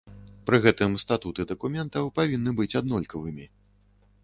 Пры гэтым статуты дакументаў павінны быць аднолькавымі.